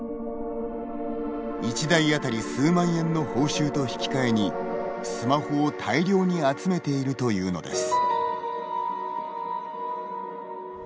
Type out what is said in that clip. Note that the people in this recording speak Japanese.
１台当たり数万円の報酬と引き換えにスマホを大量に集めているというのです。